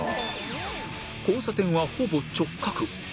交差点はほぼ直角